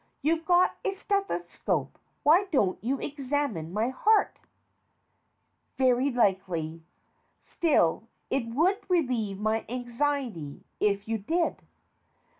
You've got a steth oscope why don't you examine my heart? Very likely. Still, it would relieve my anxiety if you did.